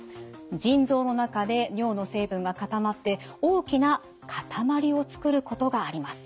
腎臓の中で尿の成分が固まって大きな塊を作ることがあります。